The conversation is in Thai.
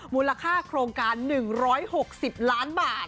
มูลค่าโครงการ๑๖๐ล้านบาท